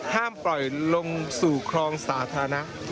ห้ามปล่อยลงสู่คลองสาธารณะ